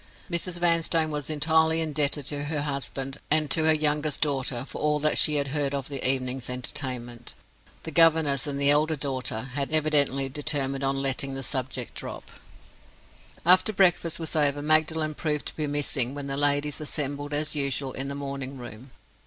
Mrs. Vanstone was entirely indebted to her husband and to her youngest daughter for all that she heard of the evening's entertainment. The governess and the elder daughter had evidently determined on letting the subject drop. After breakfast was over Magdalen proved to be missing, when the ladies assembled as usual in the morning room.